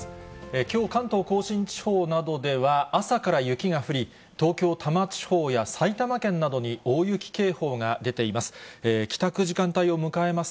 きょう、関東甲信地方などでは、朝から雪が降り、東京・多摩地方や埼玉県などに大雪警報が出ています。